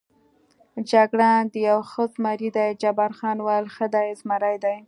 جګړن: دی یو ښه زمري دی، جبار خان وویل: دی ښه زمري دی.